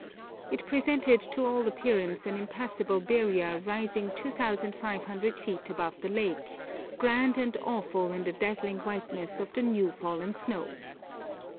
It presented to all appearance an impassable barrier rising 2,500 feet above the lake, grand and awful in the dazzling whiteness of the new fallen snow.